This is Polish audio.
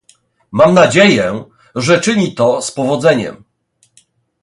Mam nadzieję, że czyni to z powodzeniem